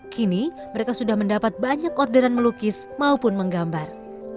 kini mereka sudah mendapat banyak orderan melukis maupun menggambar